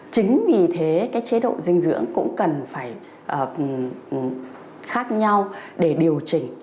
chính vì thế cái chế độ dinh dưỡng cũng cần phải khác nhau để điều chỉnh